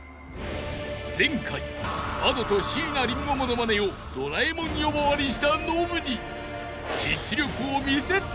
［前回Ａｄｏと椎名林檎モノマネをドラえもん呼ばわりしたノブに］